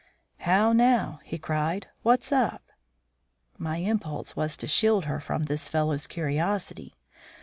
"How now?" he cried. "What's up?" My impulse was to shield her from this fellow's curiosity.